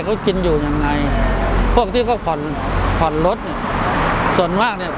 เขากินอยู่ยังไงพวกที่เขาผ่อนผ่อนรถเนี้ยส่วนมากเนี้ย